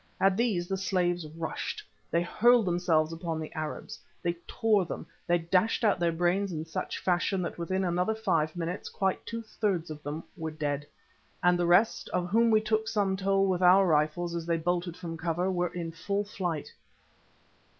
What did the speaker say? At these the slaves rushed. They hurled themselves upon the Arabs; they tore them, they dashed out their brains in such fashion that within another five minutes quite two thirds of them were dead; and the rest, of whom we took some toll with our rifles as they bolted from cover, were in full flight.